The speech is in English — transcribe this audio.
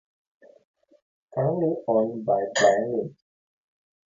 Currently owned by Brian Lynch.